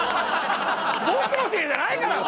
僕のせいじゃないから！